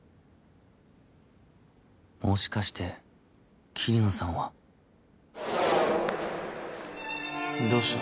もしかして桐野さんはどうした？